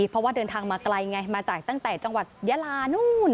เพราะว่าเดินทางมาไกลไงมาจากตั้งแต่จังหวัดยาลานู่น